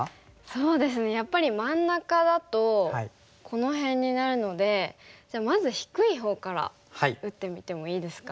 そうですねやっぱり真ん中だとこの辺になるのでじゃあまず低いほうから打ってみてもいいですか？